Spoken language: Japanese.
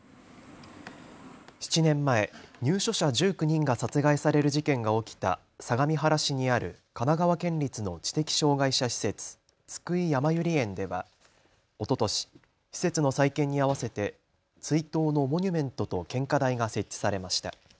７年前、入所者１９人が殺害される事件が起きた相模原市にある神奈川県立の知的障害者施設、津久井やまゆり園ではおととし施設の再建にあわせて追悼のモニュメントと献花台が設置されました。